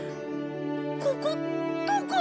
ここどこ！？